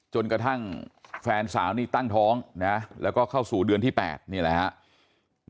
จนกระทั่งแฟนสาวนี่ตั้งท้องนะแล้วก็เข้าสู่เดือนที่๘นี่แหละครับ